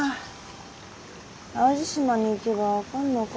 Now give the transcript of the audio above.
淡路島に行けば分かんのか？